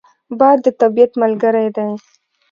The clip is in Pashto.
باد د طبیعت ملګری دی